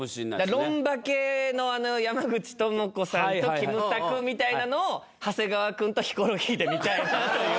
『ロンバケ』の山口智子さんとキムタクみたいなのを長谷川くんとヒコロヒーで見たいなという。